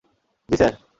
জ্বি, স্যার!